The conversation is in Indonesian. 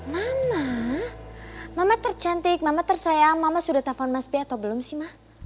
nana mama tercantik mama tersayang mama sudah telepon mas b atau belum sih ma